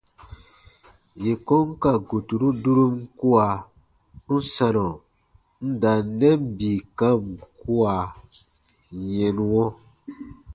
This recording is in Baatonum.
Yè kon ka guturu durom kua, n sanɔ n da n nɛn bii kam kua yɛnuɔ.